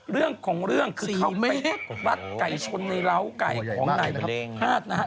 เรื่องของเรื่องคือเขาเป๊กรัดไก่ชนในร้าวไก่ของนายพาดนะฮะ